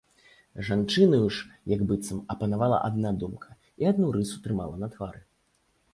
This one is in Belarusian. Жанчынаю ж як быццам апанавала адна думка і адну рысу трымала на твары.